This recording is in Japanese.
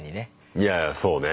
いやそうね。